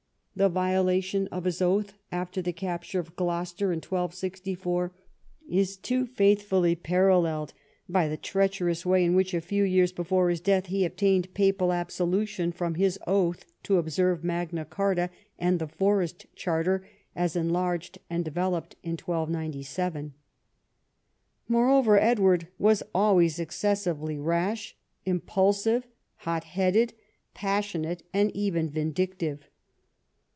The violation of his oath after the capture of Gloucester in 1264 is too faithfully paralleled by the treacherous way in which, a few years before his death, he obtained papal absolution from his oath to observe Magna Carta and the Forest Charter as enlarged and developed in 1297. Moreover, Edward was always excessively rash, impulsive, hot headed, passionate, and even vindictive.